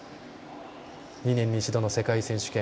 ２年に一度の世界選手権。